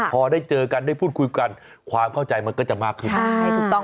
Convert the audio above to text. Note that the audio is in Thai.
พอได้เจอกันได้พูดคุยกันความเข้าใจมันก็จะมากขึ้น